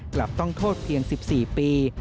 กลับต้องโทษเพียง๑๔ปี